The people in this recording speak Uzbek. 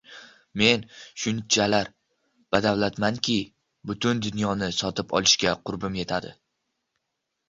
- Men shunchalar badavlatmanki, butun dunyoni sotib olishga qurbim yetadi